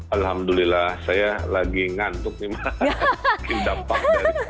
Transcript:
alhamdulillah saya lagi ngantuk nih dampaknya